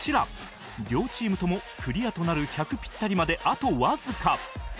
両チームともクリアとなる１００ピッタリまであとわずか